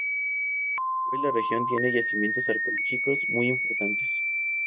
Hoy la región tiene yacimientos arqueológicos muy importantes.